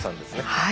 はい。